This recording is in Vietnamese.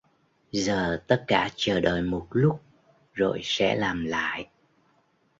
giờ tất cả chờ đợi một lúc rồi sẽ làm lại